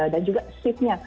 dan juga shiftnya